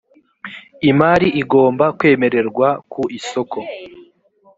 imari igomba kwemererwa ku isoko